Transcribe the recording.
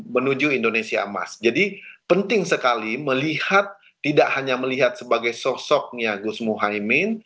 menuju indonesia emas jadi penting sekali melihat tidak hanya melihat sebagai sosoknya gus muhaymin